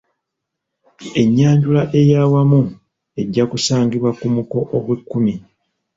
Ennyanjula ey'awamu ejja kusangibwa ku muko ogwekkumi.